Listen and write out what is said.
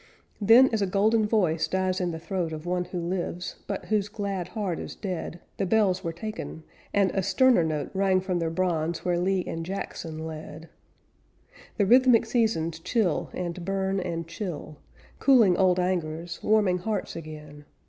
Then, as a golden voice dies in the throat Of one who lives, but whose glad heart is dead, The bells were taken; and a sterner note Rang from their bronze where Lee and Jackson led. The rhythmic seasons chill and burn and chill, Cooling old angers, warming hearts again.